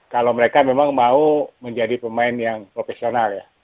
kalau mereka memang mau menjadi pemain yang profesional ya